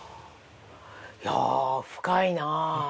いやあ深いな。